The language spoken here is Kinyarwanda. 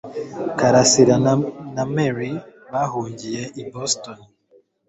Karasira na Mary bahungiye i Boston